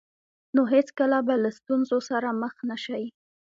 نو هېڅکله به له ستونزو سره مخ نه شئ.